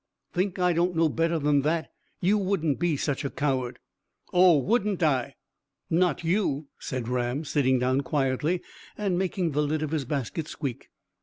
Think I don't know better than that? You wouldn't be such a coward." "Oh, wouldn't I?" "Not you," said Ram, sitting down quietly, and making the lid of his basket squeak.